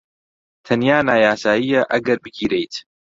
تەنیا نایاساییە ئەگەر بگیرێیت.